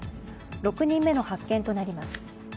６人目の発見となります。